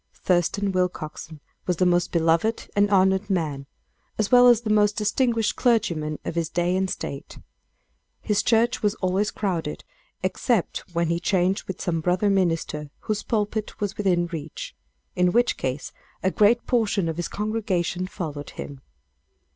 Thurston Willcoxen was the most beloved and honored man, as well as the most distinguished clergyman of his day and state. His church was always crowded, except when he changed with some brother minister, whose pulpit was within reach in which case, a great portion of his congregation followed him.